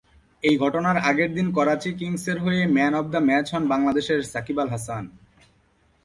এই ঘটনার আগের দিন করাচি কিংসের হয়ে ম্যান অফ দ্য ম্যাচ হন বাংলাদেশের সাকিব আল হাসান।